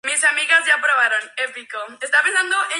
El vídeo fue grabado en la ciudad abandonada de Prípiat.